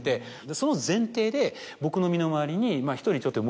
その前提で僕の身の回りに１人。